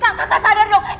kak kakak sadar dong